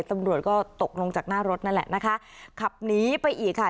ตำรวจก็ตกลงจากหน้ารถนั่นแหละนะคะขับหนีไปอีกค่ะ